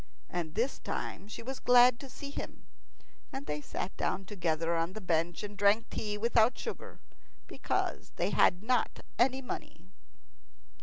And this time she was glad to see him, and they sat down together on the bench and drank tea without sugar, because they had not any money.